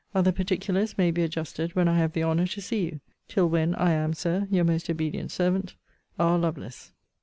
Other particulars may be adjusted when I have the honour to see you. Till when, I am, Sir, Your most obedient servant, R. LOVELACE.